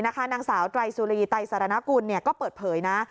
นางสาวไตรสุรีไตรสารณกุลก็เปิดเผยนะ